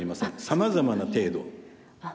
さまざまな程度ですね。